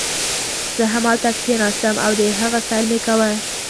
زه همالته کښېناستم او د هغې سیل مې کاوه.